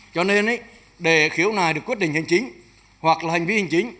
cho nên để khiếu nải được quyết định hành chính hoặc là hình vi hành chính